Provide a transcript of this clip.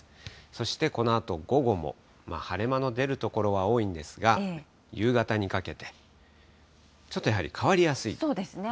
そしてこのあと午後も、晴れ間の出る所は多いんですが、夕方にかけて、ちょっとやはり変わりやすい。